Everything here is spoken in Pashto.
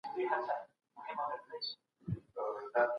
منان